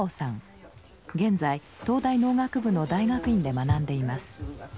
現在東大農学部の大学院で学んでいます。